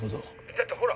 だってほら